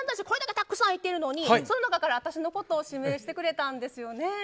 これだけたくさんいてるのにその中から私のことを指名してくれたんですよね。